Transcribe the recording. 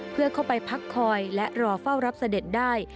เพื่อเข้าไปพักคอยและรอเฝ้ารับเสด็จได้